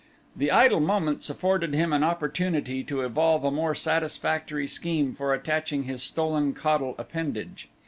The idle moments afforded him an opportunity to evolve a more satisfactory scheme for attaching his stolen caudal appendage.